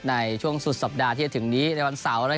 ในช่วงสุดสัปดาห์ที่จะถึงนี้ในวันเสาร์